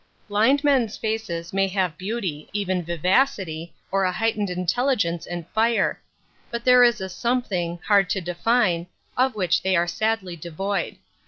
Blind men's faces may have beauty, even vivacity, or a heightened intelligence and fire; but there is a something, hard to define, of which they are sadly devoid.